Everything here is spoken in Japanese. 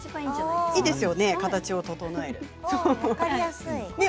いいですよね、形を整えて。